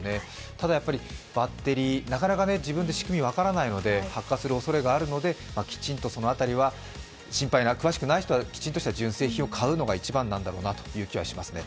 ただバッテリー、なかなか自分で仕組みが分からないので発火するおそれがあるので、きちんと、詳しくない人はきちんとした純正品を使うのが一番だと思いますね。